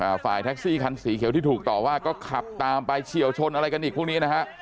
ฝ่ายแท็กซี่คันสีเขียวที่ถูกต่อว่าก็ขับตามไปเฉียวชนอะไรกันอีกพวกนี้นะฮะ